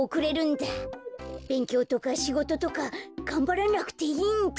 べんきょうとかしごととかがんばらなくていいんだ！